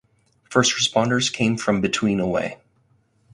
First responders came from between away.